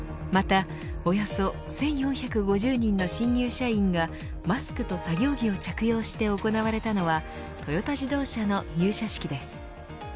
また、およそ１４５０人の新入社員がマスクと作業着を着用して行われたのはトヨタ自動車の入社式です。